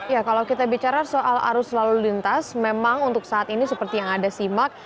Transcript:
ya kalau kita bicara soal arus lalu lintas memang untuk saat ini seperti yang ada simak